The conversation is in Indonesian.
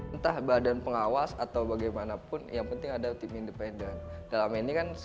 entah badan pengawas atau bagaimanapun yang penting ada tim independen